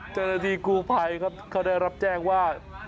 เจ้าหน้าที่กู้ภัยครับเขาได้รับแจ้งว่า